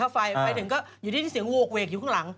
ไปถึงก็อยู่ที่เสียงโหกเวกอยู่ข้างหลัง